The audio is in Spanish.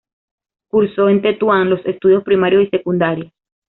Cursó en Tetuán los estudios primarios y secundarios.